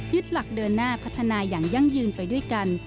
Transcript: หลักเดินหน้าพัฒนาอย่างยั่งยืนไปด้วยกัน